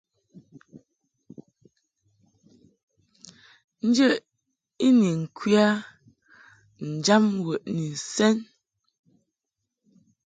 Njə i ni ŋkwe a njam wəʼni nsɛn.